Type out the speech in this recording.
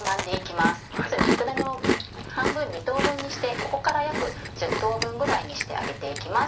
まず肉ダネを半分２等分にしてここから約１０等分ぐらいにして揚げて行きます。